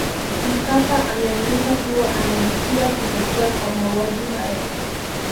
Mkapa ameandika kuwa anajutia kutokea kwa mauaji hayo